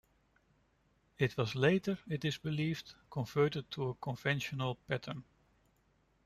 It was later, it is believed, converted to a conventional pattern.